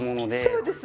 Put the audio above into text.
そうです。